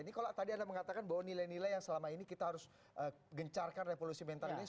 ini kalau tadi anda mengatakan bahwa nilai nilai yang selama ini kita harus gencarkan revolusi mental ini